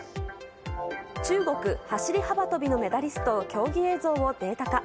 中国の走り幅跳びのメダリストの競技映像をデータ化。